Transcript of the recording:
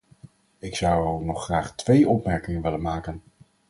Ik zou nog graag twee opmerkingen willen maken.